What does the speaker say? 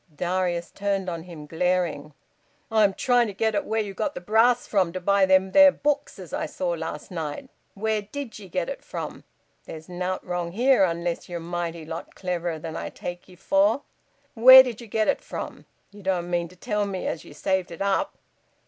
Darius turned on him glaring: "I'm trying to get at where ye got the brass from to buy them there books as I saw last night. Where did ye get it from? There's nowt wrong here, unless ye're a mighty lot cleverer than I take ye for. Where did ye get it from? Ye don't mean to tell me as ye saved it up!"